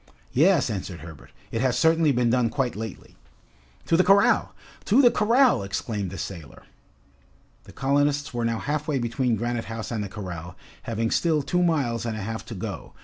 "Yes," answered Herbert, "it has certainly been done quite lately." "To the corral! to the corral!" exclaimed the sailor. The colonists were now half way between Granite House and the corral, having still two miles and a half to go.